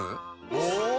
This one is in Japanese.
お！